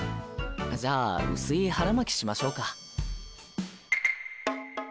じゃあ薄い腹巻きしましょうか。